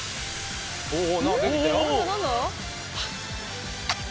おお何か出てきたよ。